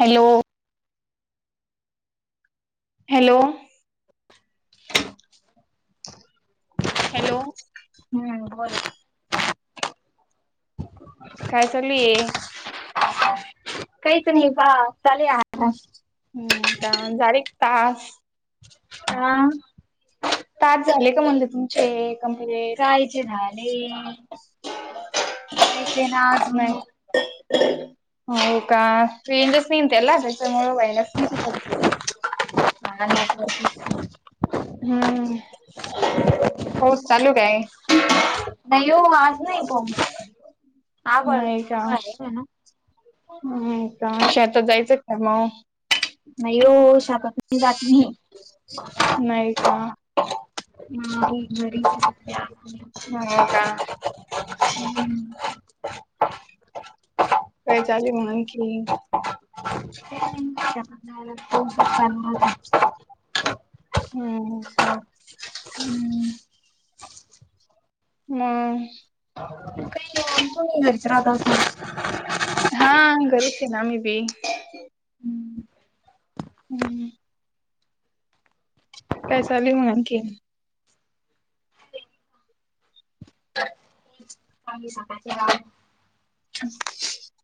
Hello. Hello. Hello. हम्म बोला. काय चालू ये? काहीच नाही पा चालु ये आराम. काय मग झाले का टास्क? हा? [inaudible] टास्क झाले का म्हणल तुमचे कमप्लीट? कायचे करायचे ना आजून. हो का? रेंजच नाहीना त्याला त्याच्यामुळ व्हायनाच नाही ते पटपट. हां नेटवर्क इशु हम्म. हो चालू काय? नाही हो आज नाही पो आबळ नाही का? आबळ आहे म्हणा हम् का शेतात जायचंय का मग? नाही वो शेतात नाही जात मी. नाही का? नाही घरी सध्या हो.. का.. हम्म काय चाले मग आणखी काही नाही [inaudible] पावसात चालू ह्म्.. हो.. का हम्म म.. ग काय नई [inaudible] राहत असनार. हा घरीच है ना आमी बी हम्म हम्म काय चालू आहे मग आणखीन? [unintelligible] [inaudible]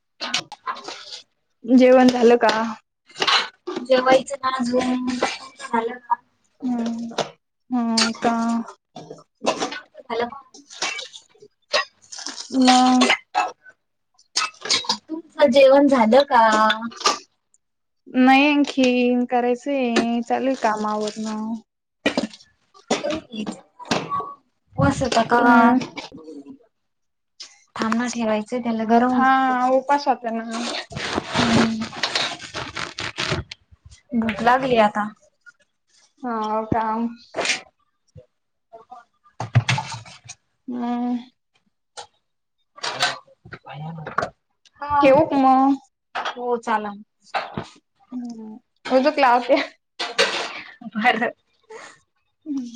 [inaudible] जेवण झालं का? जेवायचं ना अजून.. झालं का? हम्.. हम्.. ह्म्म्म.. का हॅलो! मग तुमच जेवण झालं का? नई आणखीन करायचंय.. चालू हाय काम आवरन उपवास होता काल हम्म थांब ना ठेवाय हा उपास होता ना भूक लागली आता हा.. व काम हम्म हा.. ठेवू का मग हो चला. हम्म.. उजूक लावते. बरं ह्म्म्